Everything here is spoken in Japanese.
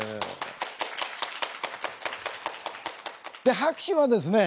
拍手はですね